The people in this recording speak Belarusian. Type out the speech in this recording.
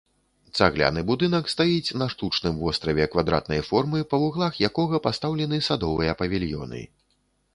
Цагляны будынак стаіць на штучным востраве квадратнай формы, па вуглах якога пастаўлены садовыя павільёны.